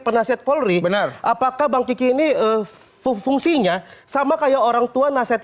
penasehat polri benar apakah bang kiki ini fungsinya sama kayak orangtua nasihatnya